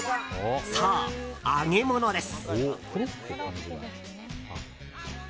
そう、揚げ物です。